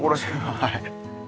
はい。